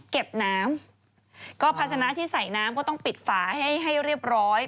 เก็บน้ำก็ภาชนะที่ใส่น้ำก็ต้องปิดฝาให้ให้เรียบร้อย